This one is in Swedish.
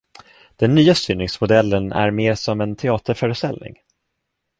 Den nya styrningsmodellen är mer som en teaterföreställning.